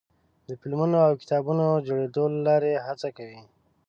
د فلمونو او کتابونو د جوړېدو له لارې هڅه کوي.